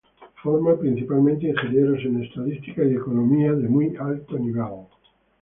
Forma principalmente ingenieros en estadística y economía de muy alto nivel.